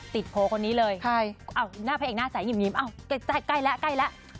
ติดโพลคนนี้เลยอ้าวหน้าพระเอกหน้าใสหิมอ้าวใกล้แล้ว